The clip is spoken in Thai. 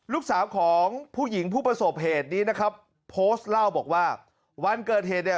ลูกสาวของผู้หญิงผู้ประสบเหตุนี้นะครับโพสต์เล่าบอกว่าวันเกิดเหตุเนี่ย